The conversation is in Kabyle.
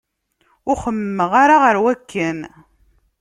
Ur xemmemeɣ ara ɣer wakken.